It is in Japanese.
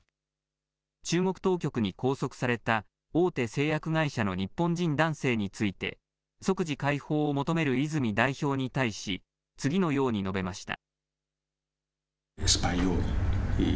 中国当局に拘束された大手製薬会社の日本人男性について、即時解放を求める泉代表に対し、次のように述べました。